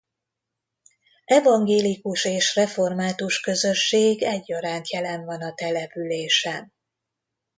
Evangélikus és református közösség egyaránt jelen van a településen.